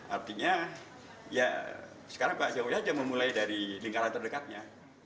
artinya ya sekarang pak jokowi aja memulai dari lingkaran terdekatnya